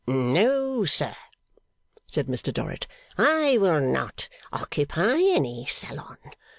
'No, sir,' said Mr Dorrit. 'I will not occupy any salon.